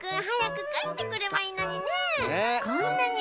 はやくかえってくればいいのにね！ね！